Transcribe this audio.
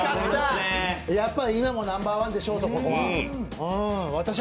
やっぱり今もナンバーワンでしょうと、ここは。